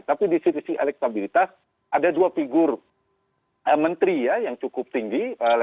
tapi di sisi elektabilitas ada dua figur menteri ya yang cukup tinggi